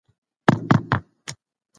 استازي به د پوليسو د چلند په اړه نيوکي وکړي.